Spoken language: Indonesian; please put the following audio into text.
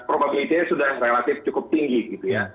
probabilitanya sudah relatif cukup tinggi gitu ya